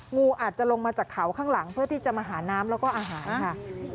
งูอาจจะลงมาจากเขาข้างหลังเพื่อที่จะมาหาน้ำแล้วก็อาหารค่ะ